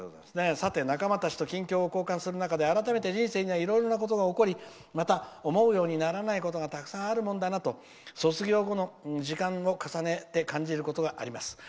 さて、仲間たちと近況を交換する中で改めて人生にはいろいろなことが起こりまた、思うようにならないことがたくさんあるものだなと卒業後、時間を重ねて感じることがあります。